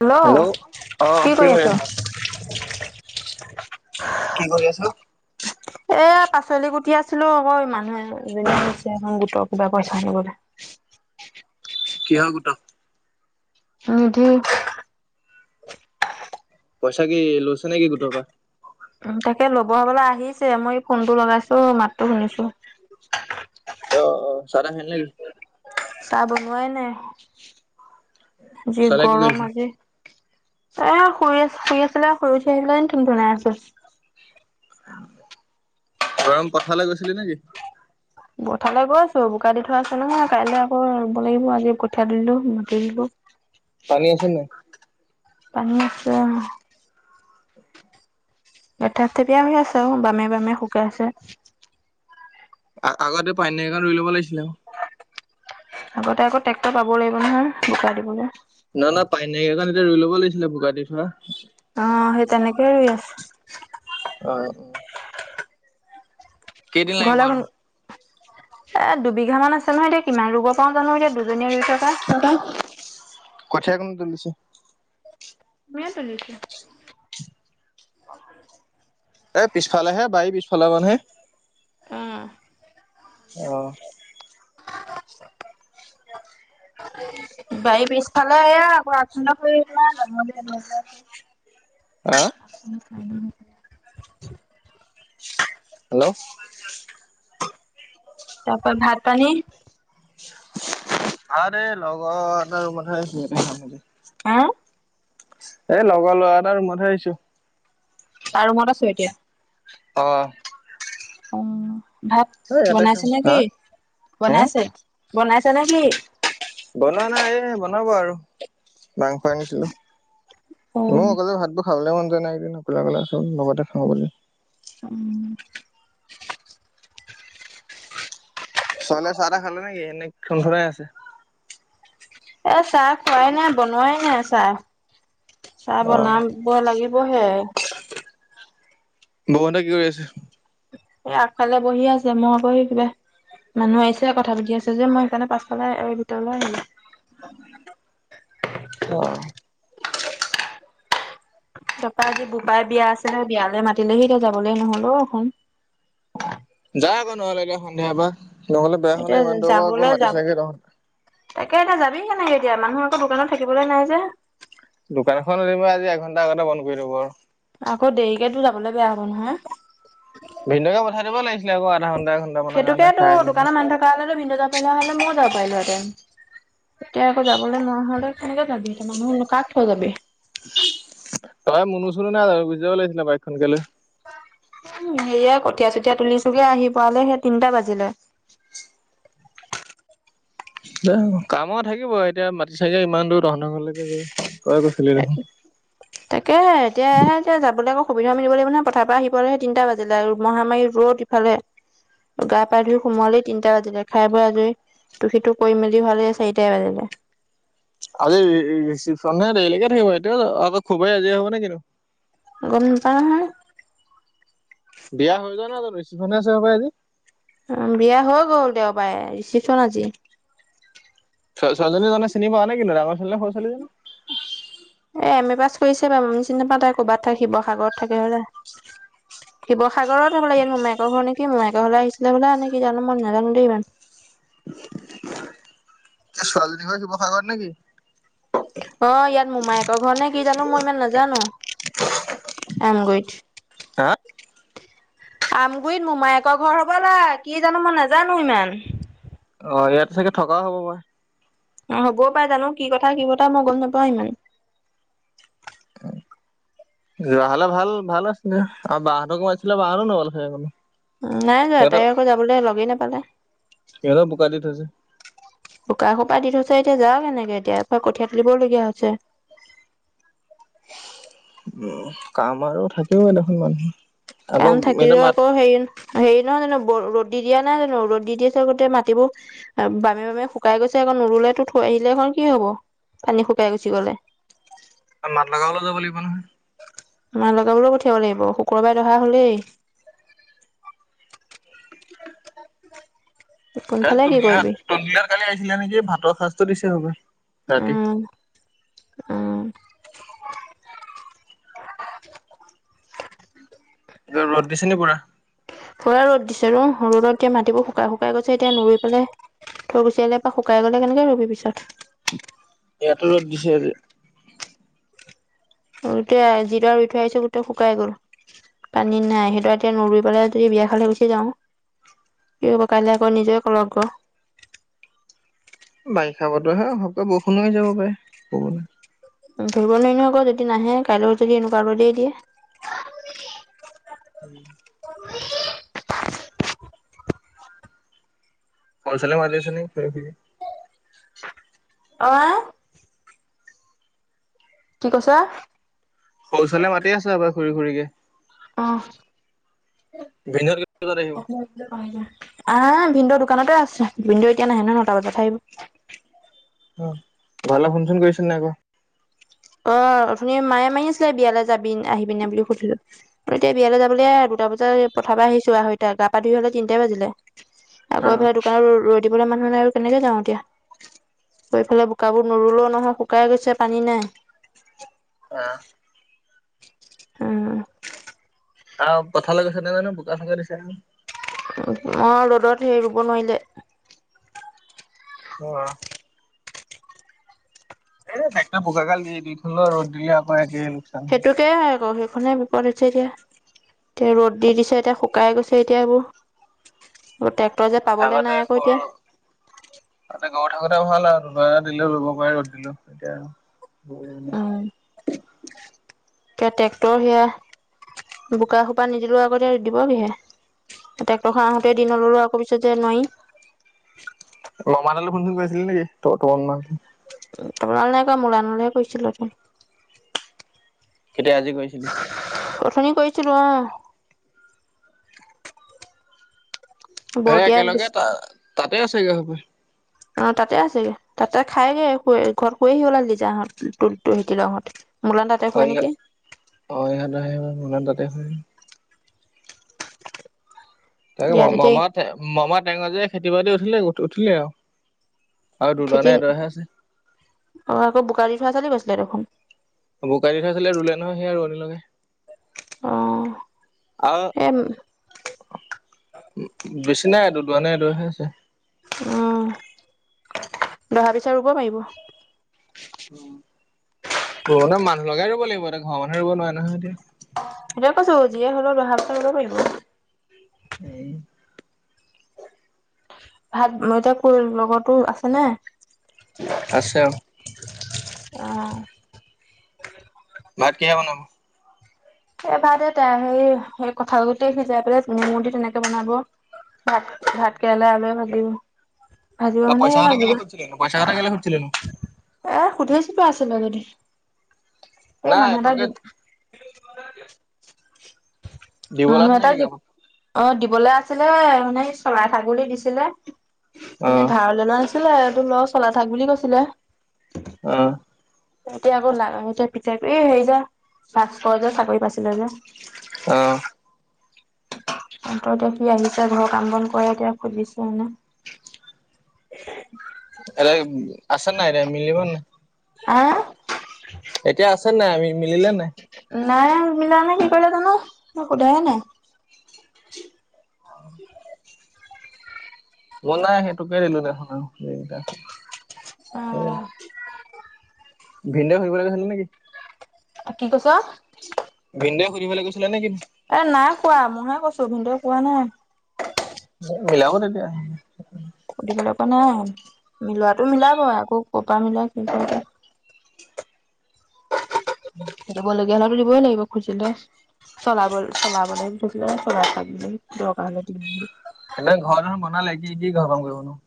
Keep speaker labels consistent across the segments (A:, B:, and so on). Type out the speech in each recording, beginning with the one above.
A: Hello, কি কৰি আছ?
B: কি কৰি আছ?
A: হে [inaudible] এ পাচলি কুটি আছিলো আকৌ মানুহে যে এজনী আহিছে এখন গোটৰ কিবা পইচা আনিবলে।
B: কিহ গোটৰ?
A: উম, ঢো।
B: পইচা কি লৈছে নে কি গোটৰপা?
A: উম, তাকে ল'ব হবলা আহিছে মই ফোনটো লগাইছো মাতো শুনিছো।
B: অ অ, চাতা খালি নেকি?
A: চাহ বনোৱাই নাই। যি
B: চাহ তাহ কি
A: গৰম
B: কৰিছে?
A: আজি। এ শুই আ, শুই আছিলে শুই উঠি আহিলে, থুন-থুনাই আছে।
B: গৰম পথাৰলে গৈছিলি নেকি?
A: পঠালৈ গৈছো বোকা দি থোৱা আছে নহয়, কাইলে আকৌ ৰুব লাগিব। আজি কঠীয়া দলো মাতি দিলো। [inaudible]
B: পানী আছে নাই?
A: পনী আছে। এথেপথেপীয়া হৈ আছে আৰু বামে-বামে শুকাই আছে।
B: আ-আগতে পানী নাই কন ৰুই ল'ব লাগিছিলে আকৌ।
A: আগতে আকৌ ট্ৰেক্টৰ পাবৌ লাগিব নহয়, বোকা দিবলে।
B: নহয়-নহয় পানী নাইকীয়াকণ ৰুই ল'ব লাগিছিলে বোকাদি থোৱা।
A: অ, সেই তেনেকে এছ
B: অহ-অহ, কেইদিন লাগিব
A: ঘৰলে
B: আৰু?
A: গল এ দুবিঘা মান আছে নহয়, এতিয়া কিমান ৰুব পাওঁ জানো এতিয়া দুজনীয়ে ৰুই থকা।
B: কঠীয়া কোনে তুলিছে?
A: ময়েই তুলিছো।
B: এ পিছফালেহে বাৰী পিছফালে মানহে।
A: উম,
B: অ',
A: [inaudible] বাই পিছফালে এইয়া আকৌ [unintelligible] এনেকে আছে। [inaudible]
B: আ',
A: [inaudible]
B: হেল্ল'
A: তাৰপা ভাত পানী
B: আৰে লগত আৰু [unintelligible]
A: হাঁ?
B: এ লগৰ লৰা এটা ৰুমত হে আহিছোঁ।
A: তাৰ ৰুমত আছ' এতিয়া?
B: অ',
A: অ', ভাত
B: এই ইয়াতে খাম।
A: বনাইছে নে
B: হা
A: কি
B: হুম
A: বনাইছে? বনাইছা নে কি?
B: বনোৱা নাই এ বনাব আৰু। মাংস আনিছিলোঁ,
A: উম,
B: মই অকলে ভাততো খাবলৈ মন জোৱা নাই, কিনু অকলে অকলে খাম লগতে খাওঁ বুলি
A: উম,
B: চোৱলে চাহ তাহ খালে নেকি, এনে [unintelligible] আছে।
A: এ চাহ খোৱাই নাই বনোৱাই নাই চাহ চাহ
B: অ
A: বনাব লাগিবহে।
B: [unintelligible] কি কৰি আছে?
A: এ আগফালে বহি আছে মই আকৌ হে কিবা মানুহ আহিছে কথা পাতি আছে যে, মই সেইকাৰে পাছফালে এ ভিতৰলৈ আহিলোঁ।
B: অ',
A: তাৰপৰা আজি বোপাই বিয়া আছিলে বিয়ালৈ মাতিলেহি এতিয়া যাবলে নহল অ,
B: যা আকৌ নহ'লে এতিয়া সন্ধিয়া এবাৰ, নহ'লে বেয়া হয়
A: এতিয়া
B: নহয় ইমান দূৰল পৰা আকৌ
A: যাবলৈ
B: মাতি
A: যাব
B: চেগে তহঁ
A: তাকে এতিয়া যাবি কেনেকে এতিয়া মানুহ আকৌ দোকানত থাকিবলৈ নাই যে।
B: দোকানখন ৰাতিপোৱা আজি এঘণ্টা আগতে বন কৰি দিব।
A: আকৌ দেৰিকেতো যাবলৈ বেয়া হ'ব নহয়।
B: ভিনদেউকে পঠাই দিব লাগিছিলে আকৌ আধা ঘন্টা এঘন্টা মানৰ কাৰণে
A: সেইটোকেতো
B: খাই আহিম
A: দোকানত মানুহ থকা হলে ভিন [unintelligible] ময়ো যাব পাৰিলো হেঁতেন। এতিয়া আকৌ যাবলৈ নোৱাৰা হলে কেনেকে যাবি, এতিয়া মানুহ কাক থৈ যাবি?
B: তই মুনু চুনা নাই, গুছি যাব লাগিছিলে বাইকখন কে লৈ।
A: সেয়া কঠীয়া চঠীয়া তুলিছোগে আহি পোৱালে সেই তিনটা বাজিলে।
B: কামো থাকিব এতিয়া মাটি চেগে ইমান দূৰ, তহঁতৰ ঘৰলৈকে গৈ তই কৈছিলি দেখোন।
A: [inaudible] তাকেহে এতিয়াহে যাবলৈ আকৌ সুবিধা মিলিব লাগিব নহয় পথাৰ পৰা আহি পোৱালেহে তিনিটা বাজিলে মহামাৰী ৰ'দ খালে গা পা ধুই সোমালেই তিনটা বাজিলে খাই বৈ আজৰি। টো সেইটো কৰি মেলি হোৱালে চাৰিটাই বাজিলে।
B: আজি ৰিচিপশ্যনহে দেৰিলৈকে থাকিব, এইটো আকৌ খুবেই আজৰি হব নে কিনু?
A: গম নাপাও নহয়।
B: বিয়া হৈ যোৱা নাই জানো, ৰিচিপশ্যনহে আছে হপাই আজি।
A: অ', বিয়া হৈ গ'ল দেওবাৰে ৰিচিপশ্যন আজি।
B: ছোৱালীজনী তহঁতে চিনি পাওঁ নে কিনো, ডাঙৰ ছোৱালী নে সৰু ছোৱালী জানো?
A: এ এম এ পাছ কৰিছে বাৰু আমি চিনি নাপাওঁ তাই ক'ৰবাত থাক শিৱসাগৰত থাকে হলে। শিৱাগৰত হ'লে ইয়াত মোমাইকৰ ঘৰ নেকি? মোমাইকৰ ঘৰলৈ আহিছিলি হ'বলা নে কি জানো, মই নাজানো দেই ইমান।
B: ছোৱালীজনী ঘৰ শিৱসাগৰত নেকি?
A: অ, ইয়াত মোমায়েকৰ ঘৰ নে কি? জানো মই ইমান নাজানো আমগুৰিত।
B: হা?
A: আমগুৰিত মোমায়েকৰ ঘৰ হবলা কি জানো মই নাজানো ইমান?
B: অ, ইয়াতে চাগে থকাও হ'ব পাৰে।
A: অ, হ'বও পাৰে জানো কি কথা, কি কথা মই গম নাপাওঁ ইমান? [inaudible]
B: যোৱাহলে ভাল-ভাল আছিলে আৰু বা হতৰ কমাইছিলে বা হটো নৱাল খো
A: উম, নাই যোৱা তাই আকৌ যাবলে লগেই নাপালে।
B: সিহতঁৰ বুকা দি থৈছে।
A: শুকা সোপা দি থৈছে এতিয়া যাওক কেনেকে এতিয়াৰা কঠিয়ীয়া তুলিবলগীয়া হৈছে।
B: উম, কাম আৰু থাকেই দেখোন মানুহৰ।
A: কাম থাকিলেও আকৌ হেৰি ন হেৰি নহয় জানো ৰ'দদি দিয়া নাই জানো। ৰ'দ দি আছে গোতে মাটিবোৰ বামে-বামে শুকাই গৈছে অকৌ নৰুলেতো থৈ আহিলে এখন কি হব পানী শুকাই গুচি গলে।
B: মাত লগাবলে যাব লাগিব নহয়।
A: মাৰ লগ বোলে পঠিয়াব লাগিব শুক্ৰবাৰে দহা হলেই।
B: কালি
A: কোনফালে কি কৰিবি
B: তুমিহা-তুমিহা কালি আহিছিলে নেকি? ভাতৰ সাঁজটো দিছে হবে ৰাতি।
A: উম উম,
B: এইবাৰ ৰ'দ দিছে নেকি পুৰা?
A: পুৰা ৰ'দ দিছে, ৰ ৰ'দত এতিয়া মাটিবোৰ শুকাই-শুকাই গৈছে এতিয়া নুৰি পেলাই থৈ গোচি আহিলে পা শুকাই গলে কেনেকে ৰুবি পিছত?
B: ইয়াতো ৰ'ত দিছে আজি।
A: ৰুতে যি দৰে ৰুই উঠি আহিছিলো গোটেই শুকাই গ'ল। পানী নাই সেইটো এতিয়া নৰুই পেলাই যদি বিয়া খাবলে গুচি যাওঁ। কি হ'ব কাইলে আকৌ নিজে কল লাগিব।
B: বাৰিষা বতৰ হে সৰহকে বৰষুণ আহি যাব পাৰে ক'বলে।
A: ধৰিব নোৱাৰে নোৱাৰি নহয় আকৌ যদি নাহে কাইলৈও যদি এনেকুৱ আৰু দেই দিয়ে।
B: উম, কচল মাৰিছে নে কি?
A: অহ, কি কৈছা?
B: সৰু চলিয়ে মাতি আছে হবলা খুৰি-খুৰিকে।
A: অহ,
B: ভিনদেউহঁত কেইটাত
A: আ,
B: আহিব
A: হ ভিনদেউ দোকানতে আছে ভিনদেউ এতিয়া নাহে নহয় নটা বজাতহে আহিব।
B: অ, ঘৰলে ফোন চোন কৰিছিল নে আকৌ?
A: অ, অথনি মায়ে মায়ি আছিলে বিয়ালে যাবি আহিবিনে বুলি সুধিলো। এতিয়া বিয়ালে যাবলে আৰু দুটা বজাত পথাৰ পা আহিছো আঢ়ৈতা গা পা ধুই হলে তিনিটাই বাজিলে।
B: অ
A: আকৌ এফালে দোকানত ৰৈ দিবলে মানুহ নাই আৰু কেনেকে যাওঁ এতিয়া। সিফালে বোকাবোৰ নৰুলেও নহয় শুকাই গৈছে পানী নাই।
B: অ,
A: আহ,
B: অ, পথাৰলে গৈছে ন নো বোকা চোকা দিছে নহয়।
A: অ, ৰ'দত সেই ৰুব নোৱাৰিলে।
B: অ, এ ট্ৰেক্টৰ বোকাগাল দি দিথলে ৰ'দ দিলে আকৌ আজি।
A: সেইটোকে হয় আকৌ সেইখনে বিপদ হৈছে এতিয়া। এতিয়া ৰ'দ দি দিছে এতিয়া শুকাই গৈছে এতিয়া এইবোৰ। ট্ৰেক্টৰ যে পাবলে নাই আকৌ এতিয়া।
B: তাতে গৰত থাকোতে ভাল আৰু দুবাৰ এটা দিলে ৰুব পাৰি ৰ'দ দিলো এতিয়া
A: উম, কে ট্ৰেক্টৰ সেয়া। বোকা সোপা নিদিলেও আগতে দিব কিহে। টেক্টৰখন আহোতে দি নললে আকৌ পিছত যে নোৱাৰিম।
B: ঘৰৰ মানুহলে ফোন-চোন কৰিছিলি নেকি? তই তই মান
A: [unintelligible] মূলানলহে কৰিছিলো ফোন।
B: কেতিয়া আজি গৈছ
A: অথনি কৰিছিলো অ'।
B: এ
A: বৰতীয়া
B: একেলগে তা তাতে আছেগে হ'ব পাই।
A: অ', তাতে আছেগে। তাতে খাইগে শুয়ে, ঘৰত শুৱেহি হ'বলা লিজাহঁত, তুল, তুলকিলোহঁত।
B: অ', ই অ', অ', ইহঁত আহে মন তাতে শুয়ে। তাকে
A: ইয়াত
B: মামা
A: এতিয়া
B: মামা টেঙ মামা টেঙৰ যে খেতি-বাতি উঠিলেগে উঠিলে আৰু। আৰু দুটা
A: খেতি
B: নে এটাহে আছে।
A: অ', আকৌ বোকা দি থোৱা আছে বুলি কৈছিলে দেখোন।
B: বোকা দি থোৱা আছিলে। ৰুলে নহয় সেই ৰোৱনী লগাই।
A: অ
B: অ'।
A: এ উম
B: উ বেছি নাই, দোদোৱা নে এদুৱাহে আছে।
A: অ', দহা পিছত ৰুব পাৰিব।
B: উম। ৰুবলে মানুহ লগাই ৰুব লাগিব। এতিয়া ঘৰৰ মানুহে ৰুব নোৱাৰে নহয় এতিয়া।
A: সেইটোৱে কৈছো। যিয়ে হ'লেও দহা পিছত ৰুব পাৰিব।
B: উম।
A: ভাত, মই এতিয়া ক'লো লগৰটো আছে নে?
B: আছে অ'।
A: অ'।
B: ভাত কিহে বনাব?
A: এইবাৰতে তেওঁ হেৰি হৈ কঁঠাল গুটি সিজাই পেলাই ধনীয়া, নিমখ দি তেনেকে বনাব। ভাত ভাতকেৰেলা আলোৱে ভাজিম। আজি পা
B: অ
A: মানে
B: পইচা
A: এ
B: কথা কেলে সুধিছিলিনো পইচা কথা কেলে
A: [unintelligible]
B: সুধিছিলিনো
A: এ সুধিছোপা আছিলে যদি। এই
B: নাই
A: মানুহ এটা
B: তোকে
A: [inaudible]
B: দিবলৈ
A: মানুহ
B: আছে নে
A: এটা
B: কি
A: যিপ,
B: কাৰোবাক
A: অ', দিবলে আছিলে। মানে চৰাই-ছাগলী দিছিলে।
B: অ
A: এনে ধাৰত ললৈ আছিলে। এইটো লচ হ'ল আৰু। থাক বুলি কৈছিলে।
B: অ',
A: এতিয়া আকৌ না এতিয়া পিটাইটো, এই হেৰি যে মাষ্টৰ যে চাকৰি পাছিলে যে।
B: অ',
A: তহঁতৰ এতিয়া সি আহিছে। ঘৰৰ কাম-বন কৰে। এতিয়া সুধিছো মানে।
B: এ আছেনে নাই তাই? মিলিব নাই?
A: অ',
B: এতিয়া আছেনে নাই? আমি মিলিলে নাই?
A: নাই মিলা নে কি কৰিলে জানো। মই সোধাই নাই।
B: [inaudible] ব'লা, সেইটোকে দিলো দেখোন আৰু। যি ভিনদেউ ফুৰিবলে গৈছিল নে কি?
A: অ', কি কৈছ?
B: ভিনদেউ সুধিবলে গৈছিলে নে কি?
A: এ নাই শুৱা। মইহে শুইছো ভিনদেউ শুৱা নাই।
B: মিলাও তেতিয়া।
A: ফুৰিবলে পালে। মিলোৱাটো মিলাবই আকৌ ক'ৰ মিলাই কি কথা। খেলিব লগীয়া হ'লে দিবই লাগিব কৈছিলে। চলাবল চলাবলৈ [unintelligible] দৰকাৰ হ'লে দি দিম বুলি
B: এনে ঘৰখন বনালে কি দি ঘৰ কাম কৰিবনো।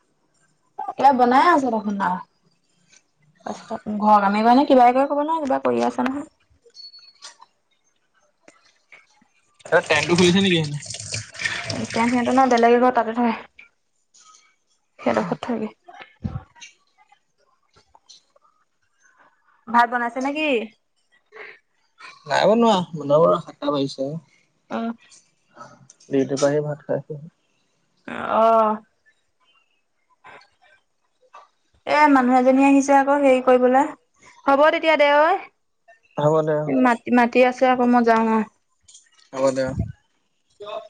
A: কিবা বনাই আছে দেখোন ডাঙৰ। তাৰ পিছত ঘৰত মামী মানে কিবা এক কৰি ক'ব নহ কিবা কৰি আছে নহয়।
B: এ টেংকটো খুলিছে নিকি?
A: এতিয়া সিহঁতৰ ন বেলেগে ঘৰত তাতে থয় সিহঁডোখৰত থয়গে ভাত বনাইছে নেকি?
B: নাই বনোৱা বনাম আৰু সাতটা বাজিছে।
A: উম।
B: ডিউটি পৰা আহি ভাত খাইছোঁ।
A: অহ। [inaudible] এ মানুহ এজনী আহিছে আকৌ হেৰি কৰিবলৈ হ'ব তেতিয়া দে ঐ
B: হ'ব দে আৰু।
A: ম মাটি আছে আকৌ মই যাওঁ ন।
B: হ'ব দে।
A: ক [unintelligible]